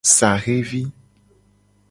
Saxe vi.